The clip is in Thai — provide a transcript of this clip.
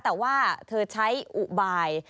แต่ว่าเธอใช้อุบาย